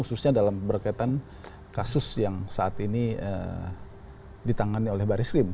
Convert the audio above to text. khususnya dalam berkaitan kasus yang saat ini ditangani oleh baris krim